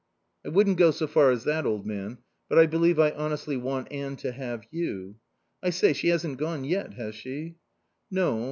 "I wouldn't go so far as that, old man. But I believe I honestly want Anne to have you.... I say, she hasn't gone yet, has she?" "No.